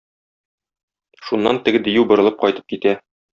Шуннан теге дию борылып кайтып китә.